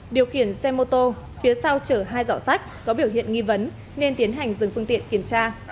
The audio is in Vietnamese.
điều khiển xe mô tô phía sau chở hai dọ sách có biểu hiện nghi vấn nên tiến hành dừng phương tiện kiểm tra